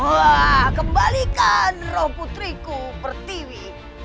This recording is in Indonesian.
wah kembalikan roh putriku pertiwi